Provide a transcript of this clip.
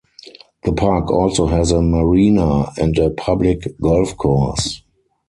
The park also has a marina and a public golf course.